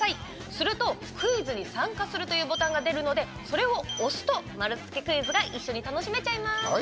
すると「クイズに参加する」というボタンが出るのでそれを押すと丸つけクイズが一緒に楽しめちゃいます。